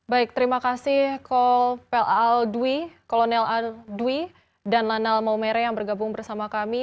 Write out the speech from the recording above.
baik terima kasih kolonel al dwi dan lan al maumere yang bergabung bersama kami